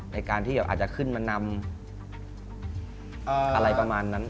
ในการที่อาจจะขึ้นมานำอะไรประมาณนั้น